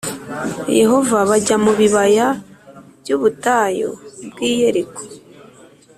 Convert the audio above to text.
Yehova bajya mu bibaya by’ubutayu bw’i Yeriko